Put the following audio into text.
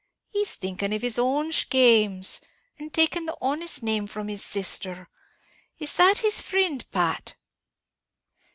He's thinking of his own schames, and taking the honest name from his sister. Is that his frind, Pat?"